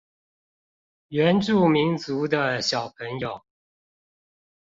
原住民族的小朋友